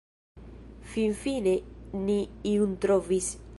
Finfine ni iun trovis.